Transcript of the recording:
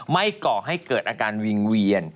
ก่อให้เกิดอาการวิงเวียน